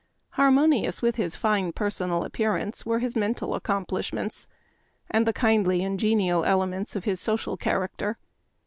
29 Harmonious with his fine personal appear ance were his mental accomplishments, and the kindly and genial elements of his social char acter.